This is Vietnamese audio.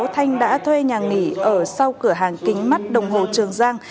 thanh đã thuê nhà nghỉ ở sau cửa hàng kính mắt đồng hồ trường giang